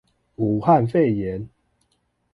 武漢肺炎